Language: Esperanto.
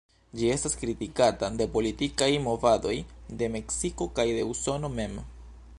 Ĝi estas kritikata de politikaj movadoj de Meksiko kaj de Usono mem.